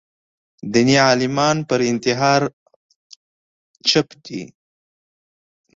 دیني عالمان پر انتحار خاموش دي